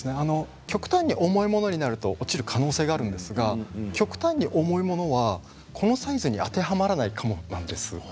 極端に重いものだと落ちる可能性がありますが極端に重いものはこのサイズに当てはまらないかもなんですね。